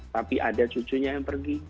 tapi ada cucunya yang pergi